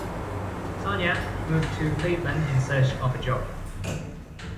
Sonia moved to Cleveland in search of a job.